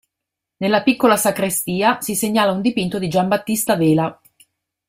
Nella piccola sacrestia si segnala un dipinto di Giambattista Vela.